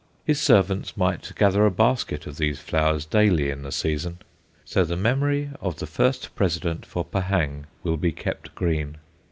His servants might gather a basket of these flowers daily in the season. So the memory of the first President for Pahang will be kept green.